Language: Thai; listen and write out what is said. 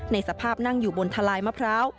สภาพนั่งอยู่บนทะลายมะพร้าว